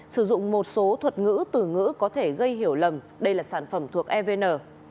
sử dụng một số thuật ngữ từ ngữ có thể gây hiểu lầm đây là sản phẩm thuộc evn